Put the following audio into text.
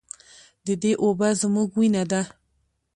د دې اوبه زموږ وینه ده؟